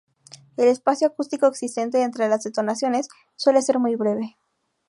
El espacio acústico existente entre las detonaciones suele ser muy breve.